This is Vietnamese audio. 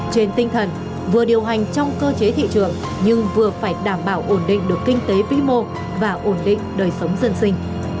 trên tinh thần vừa điều hành trong cơ chế thị trường nhưng vừa phải đảm bảo ổn định được kinh tế vĩ mô và ổn định đời sống dân sinh